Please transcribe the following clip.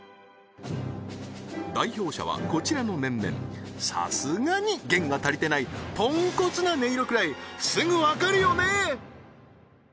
代表者はこちらの面々さすがに弦が足りてないポンコツな音色くらいすぐわかるよね？